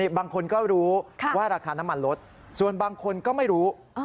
บางคนก็รู้ว่าราคาน้ำมันลดส่วนบางคนก็ไม่รู้